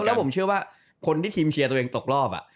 แล้วผมเชื่อว่าคนที่ชิมต่อตัวเงียนตกรอบ